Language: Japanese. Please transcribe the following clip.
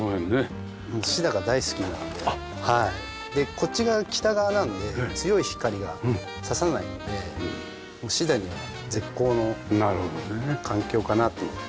こっち側が北側なので強い光が差さないのでシダには絶好の環境かなと思って。